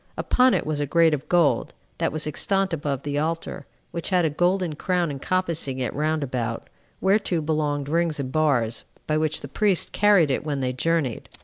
Upon it was a grate of gold, that was extant above the altar, which had a golden crown encompassing it round about, whereto belonged rings and bars, by which the priests carried it when they journeyed.